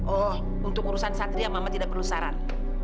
oh untuk urusan satria mama tidak perlu saran